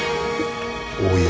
おや？